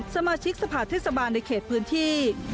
สมาชิกสภาเทศบาลในเขตพื้นที่